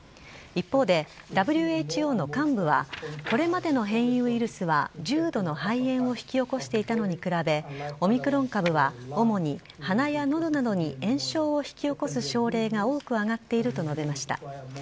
一方で、ＷＨＯの幹部は、これまでの変異ウイルスは重度の肺炎を引き起こしていたのに比べ、オミクロン株は、主に鼻やのどなどに炎症を引き起こす症例が多く挙がっていると述べました。